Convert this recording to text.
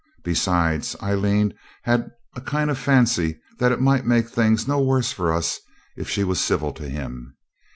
Besides, Aileen had a kind of fancy that it might make things no worse for us if she was civil to him.